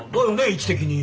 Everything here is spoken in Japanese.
位置的に。